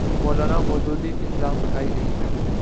مو لانا مودودی کے خلاف اٹھائی گی۔